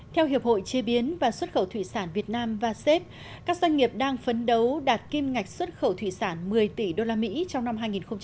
theo hiệp hội chế biến và xuất khẩu thủy sản việt nam và xếp các doanh nghiệp đang phấn đấu đạt kim ngạch xuất khẩu thủy sản một mươi tỷ usd trong năm hai nghìn một mươi tám